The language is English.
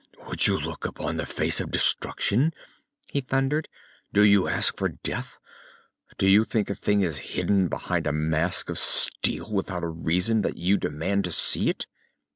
"Would you look upon the face of destruction?" he thundered. "Do you ask for death? Do you think a thing is hidden behind a mask of steel without a reason, that you demand to see it?"